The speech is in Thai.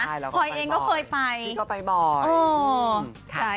คอยเองก็เคยไปที่ก็ไปบ่อย